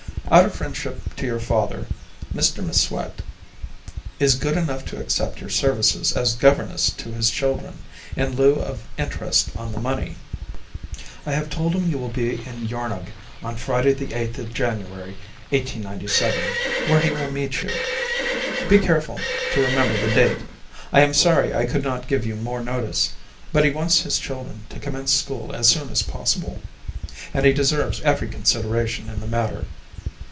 Out of friendship to your father, Mr M'Swat is good enough to accept your services as governess to his children, in lieu of interest on the money. I have told him you will be in Yarnung In Friday the 8th of January 1897, where he will meet you. Be careful to remember the date. I am sorry I could not give you more notice; but he wants his children to commence school as soon as possible, and he deserves every consideration in the matter.